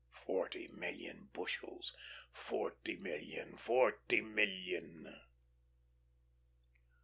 Forty million bushels, forty million, forty million."